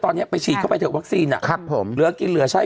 ตอนนี้ไปฉีดเข้าไปเถอะวัคซีนอ่ะครับผมเหลือกินเหลือใช้